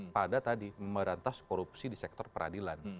pada tadi memberantas korupsi di sektor peradilan